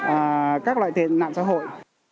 và các loại tên nạn xã hội